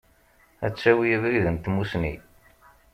Ad tawi abrid n tmussni.